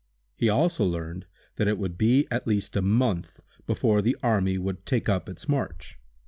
He also learned that it would be at least a month, before the army would take up its march.